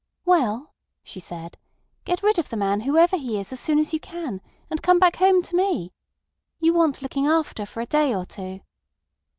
"Well," she said, "get rid of the man, whoever he is, as soon as you can, and come back home to me. You want looking after for a day or two."